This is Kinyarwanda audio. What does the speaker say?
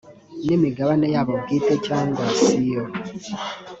ni imigabane yabo bwite cyangwa siyo‽